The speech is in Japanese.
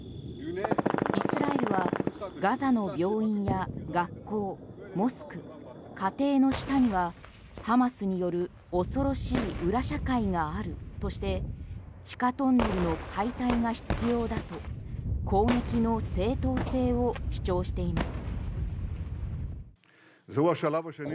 イスラエルはガザの病院や学校モスク、家庭の下にはハマスによる恐ろしい裏社会があるとして地下トンネルの解体が必要だと攻撃の正当性を主張しています。